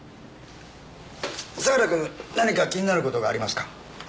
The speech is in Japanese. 相良くん何か気になる事がありますか？